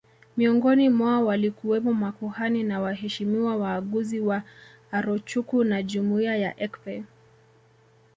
Miongoni mwao walikuwemo makuhani na waheshimiwa waaguzi wa Arochukwu na jumuiya ya Ekpe